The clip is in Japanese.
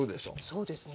そうですね。